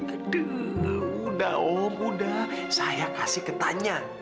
aduh udah om udah saya kasih ke tanya